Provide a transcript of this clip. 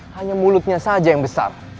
hanya mulutnya saja yang besar